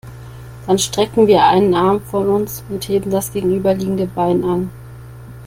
Dann strecken wir einen Arm von uns und heben das gegenüberliegende Bein an.